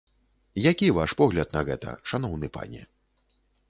Які ваш погляд на гэта, шаноўны пане?